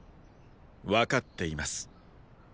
分かっています。